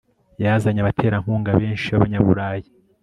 yazanye abaterankunga benshi b'abanyaburayi